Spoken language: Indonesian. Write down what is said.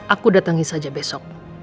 aku datangi saja besok